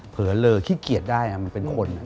เผลอเลอขี้เกียจได้มันเป็นคน